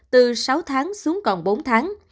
từ sáu tháng xuống còn bốn tháng